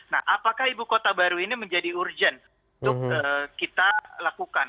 nah apakah ibu kota baru ini menjadi urgent untuk kita lakukan